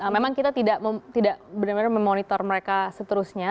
memang kita tidak benar benar memonitor mereka seterusnya